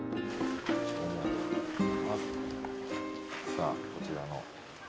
さぁこちらの。